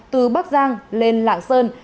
từ bắc giang lên lạng sơn